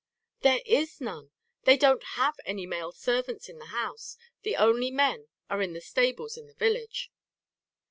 "There is none; they don't have any male servants in the house. The only men are in the stables in the village."